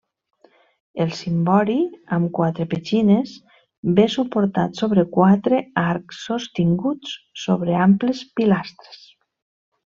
El cimbori amb quatre petxines ve suportat sobre quatre arcs sostinguts sobre amples pilastres.